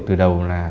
từ đầu là